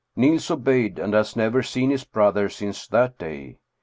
Niels obeyed, and has never seen his brother since that day.